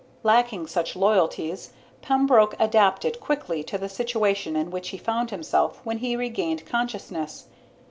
Lacking such loyalties, Pembroke adapted quickly to the situation in which he found himself when he regained consciousness.